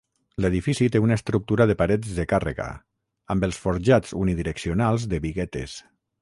L'edifici té una estructura de parets de càrrega, amb els forjats unidireccionals de biguetes.